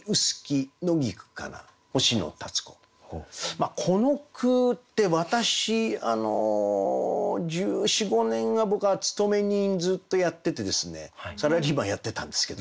まあこの句って私１４１５年は僕は勤め人ずっとやっててですねサラリーマンやってたんですけど。